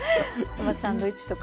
まあサンドイッチとか。